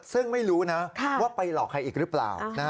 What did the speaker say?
ซึ่งไม่รู้นะว่าไปหลอกใครอีกหรือเปล่า